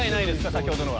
先ほどのは。